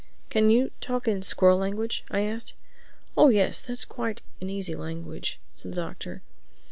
"Can you talk in squirrel language?" I asked. "Oh yes. That's quite an easy language," said the Doctor.